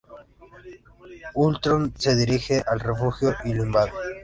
Ultrón se dirige al refugio y lo invade.